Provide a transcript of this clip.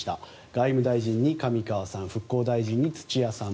外務大臣に上川さん復興大臣に土屋さん